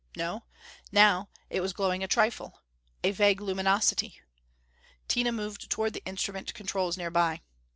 No now it was glowing a trifle. A vague luminosity. Tina moved toward the instrument controls nearby.